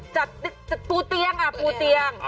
จัดปูเตียง